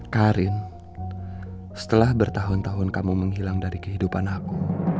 karin setelah bertahun tahun kamu menghilang dari kehidupan aku